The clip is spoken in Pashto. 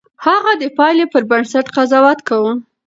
هغه د پايلې پر بنسټ قضاوت کاوه.